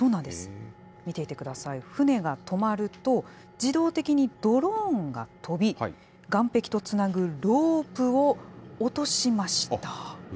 見ていてください、船が止まると、自動的にドローンが飛び、岸壁とつなぐロープを落としました。